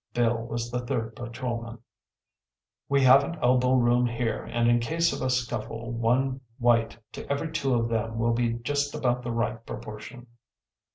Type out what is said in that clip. ‚ÄĚ (Bill was the third patrolman.) “We haven’t elbow room here, and in case of a scuffle one white to every two of them will be just about the right proportion.